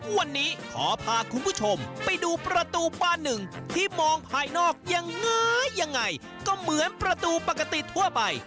วันนี้ขอพาคุณผู้ชมไปดูประตูป้าหนึ่งที่มองภายนอกยังไงยังไงก็เหมือนประตูปกติทั่วไป